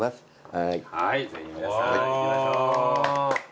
はいぜひ皆さん行きましょう。